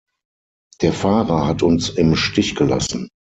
Der Fahrer hat uns im Stich gelassen.